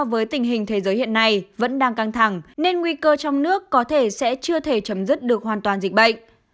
với tình hình thế giới hiện nay vẫn đang căng thẳng nên nguy cơ trong nước có thể sẽ chưa thể chấm dứt được hoàn toàn dịch bệnh